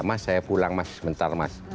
mas saya pulang mas sebentar mas